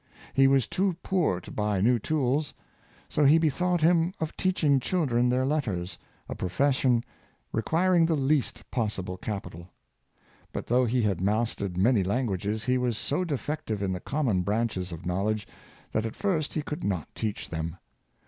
He was too poor to buy new tools, so he bethought him of teaching children their let ters— a profession requiring the least possible capital. But though he had mastered many languages, he was so defective in the common branches of knowledge, that at first he could not teach them.